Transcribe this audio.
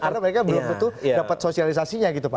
karena mereka belum betul dapat sosialisasinya gitu pak